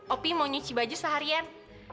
opi mau nyuci baju seharian